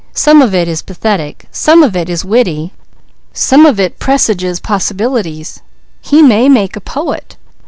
Some of it is pathetic, some of it is witty, some of it presages possibilities. He may make a poet.